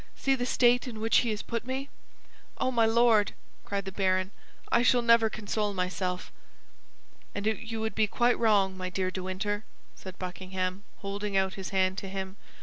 See the state in which he has put me." "Oh, my Lord!" cried the baron, "I shall never console myself." "And you would be quite wrong, my dear De Winter," said Buckingham, holding out his hand to him.